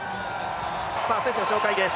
選手の紹介です。